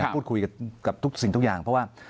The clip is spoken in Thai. พูดคุยกับทุกสิ่งทุกอย่างเพราะว่า